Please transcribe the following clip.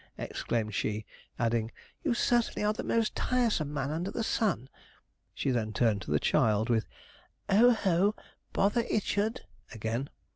exclaimed she, adding, 'you certainly are the most tiresome man under the sun.' She then turned to the child with: 'O ho! bother Ichard' again.